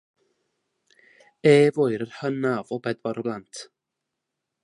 Ef oedd yr hynaf o bedwar o blant.